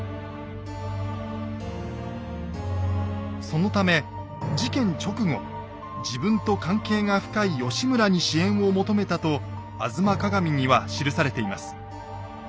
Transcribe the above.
そのため事件直後自分と関係が深い義村に支援を求めたと「吾妻鏡」には記されています。